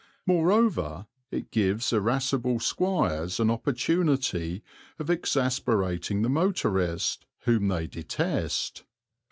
Moreover, it gives irascible squires an opportunity of exasperating the motorist, whom they detest.